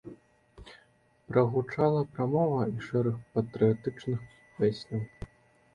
Прагучала прамова і шэраг патрыятычных песняў.